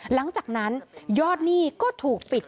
หลังจากนั้นยอดหนี้ก็ถูกปิด